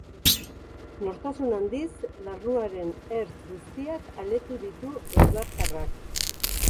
Nortasun handiz, larruaren ertz guztiak aletu ditu eibartarrak.